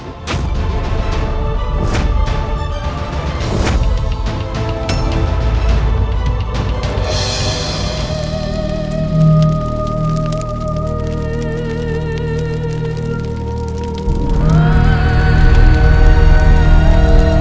siliwangi mati tertusuk oleh tombak tulung agung milik pendekar gendeng